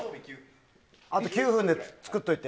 あと９分で作っておいて。